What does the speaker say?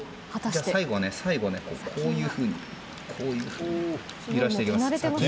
最後は、こういうふうに揺らしていきます。